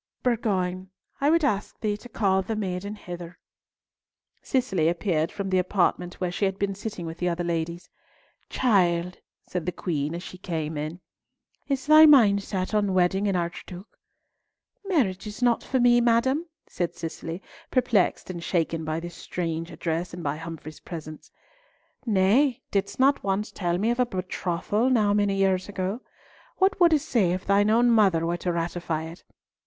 Bourgoin, I would ask thee to call the maiden hither." Cicely appeared from the apartment where she had been sitting with the other ladies. "Child," said the Queen, as she came in, "is thy mind set on wedding an archduke?" "Marriage is not for me, madam," said Cicely, perplexed and shaken by this strange address and by Humfrey's presence. "Nay, didst not once tell me of a betrothal now many years ago? What wouldst say if thine own mother were to ratify it?"